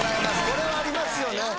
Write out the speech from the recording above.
これはありますよね